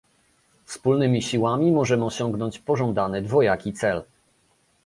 Wspólnymi siłami możemy osiągnąć pożądany dwojaki cel